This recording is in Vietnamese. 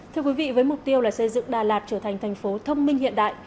thưa quý vị với mục tiêu là xây dựng đà lạt trở thành thành phố thông minh hiện đại